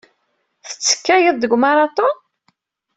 Tettekkayeḍ deg umaraṭun?